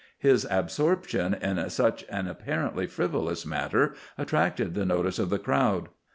His absorption in such an apparently frivolous matter attracted the notice of the crowd.